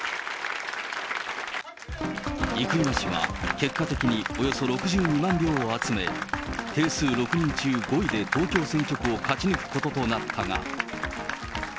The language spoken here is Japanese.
生稲氏は、結果的におよそ６２万票を集め、定数６人中５位で東京選挙区を勝ち抜くこととなったが。